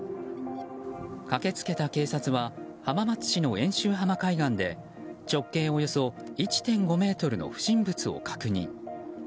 駆けつけた警察は浜松市の遠州浜海岸で直径およそ１．５ｍの不審物を確認。